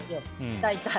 大体。